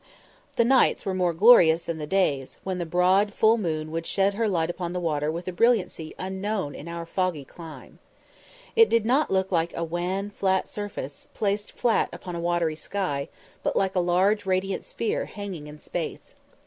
The nights were more glorious than the days, when the broad full moon would shed her light upon the water with a brilliancy unknown in our foggy clime. It did not look like a wan flat surface, placed flat upon a watery sky, but like a large radiant sphere hanging in space.